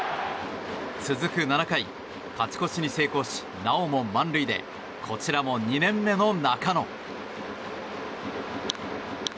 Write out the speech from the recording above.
続く７回勝ち越しに成功し、なおも満塁でこちらも２年目の中野。